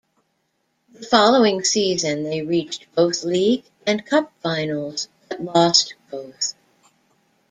The following season they reached both league and cup finals but lost both.